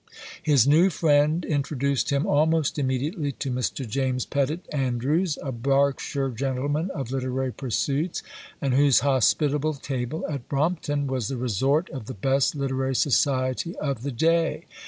His new friend introduced him almost immediately to Mr. James Pettit Andrews, a Berkshire gentleman of literary pursuits, and whose hospitable table at Brompton was the resort of the best literary society of the day.